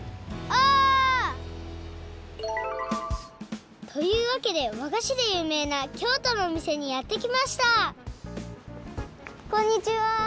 お！というわけでわがしでゆうめいな京都のおみせにやってきましたこんにちは。